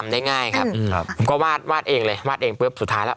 ได้ง่ายครับอืมครับผมก็วาดวาดเองเลยวาดเองปุ๊บสุดท้ายแล้ว